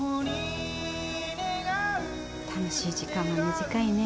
楽しい時間は短いね。